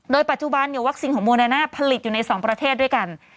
โดยปัจจุบันวัคซีนของโมเดน่าผลิตอยู่ในสองประเทศด้วยกัน